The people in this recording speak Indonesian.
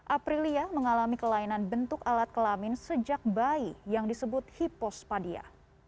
aprilia mengalami kelainan bentuk alat kelamin sejak bayi yang disebut hipospadia